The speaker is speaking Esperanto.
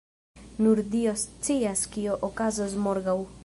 Nur dio scias kio okazos morgaŭ.